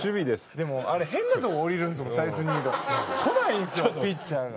でもあれ変なとこ下りるんですもんサイスニ―ド。来ないんですよピッチャーが。